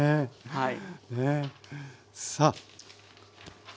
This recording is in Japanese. はい。